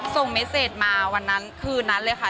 เมเซจมาวันนั้นคืนนั้นเลยค่ะ